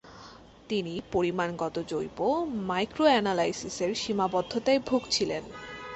তিনি পরিমাণগত জৈব মাইক্রোঅ্যানালাইসিসের সীমাবদ্ধতায় ভুগছিলেন।